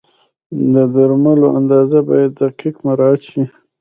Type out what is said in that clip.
د درملو اندازه باید دقیق مراعت شي.